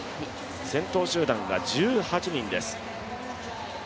先頭集団が１８人です。